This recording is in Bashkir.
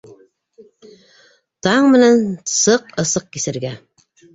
Таң менән сыҡ ысыҡ кисергә